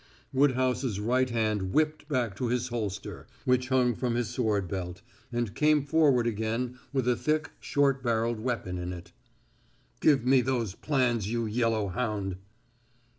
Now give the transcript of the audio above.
Woodhouse's right hand whipped back to his holster, which hung from his sword belt, and came forward again with a thick, short barreled weapon in it. "Give me those plans, you yellow hound!"